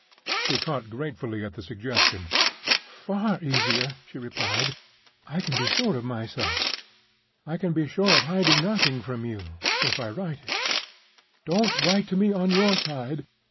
She caught gratefully at the suggestion. "Far easier," she replied. "I can be sure of myself—I can be sure of hiding nothing from you, if I write it. Don't write to me on your side!"